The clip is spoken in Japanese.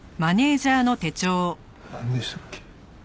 なんでしたっけ？